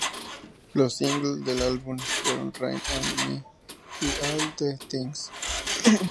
Los single del álbum fueron "Rain on me" y "All these things".